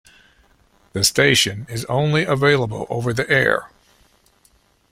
The station is only available over-the-air.